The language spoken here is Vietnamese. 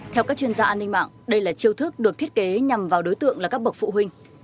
theo các chuyên gia an ninh mạng đây là chiêu thức được thiết kế nhằm vào đối tượng là các bậc phụ huynh